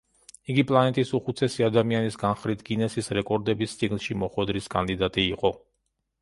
იგი პლანეტის უხუცესი ადამიანის განხრით გინესის რეკორდების წიგნში მოხვედრის კანდიდატი იყო.